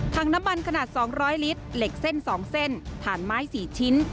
ทางน้ำมันขนาดสองร้อยลิตรเหล็กเส้นสองเส้นถ่านไม้สี่ชิ้น